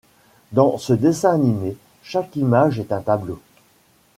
Dans ce dessin animé, chaque image est un tableau.